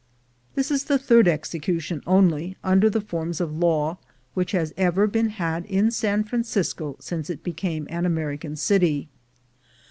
"This is the third execution only, under the forms of law, which has ever been had in San Francisco since it became an American city.